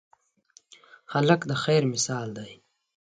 هلک د خیر مثال دی.